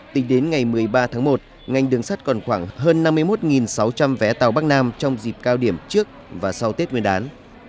tính đến ngày một mươi ba tháng một ngành đường sắt còn khoảng hơn năm mươi một sáu trăm linh vé tàu bắc nam trong dịp cao điểm trước và sau tết nguyên đán